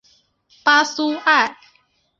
巴苏埃。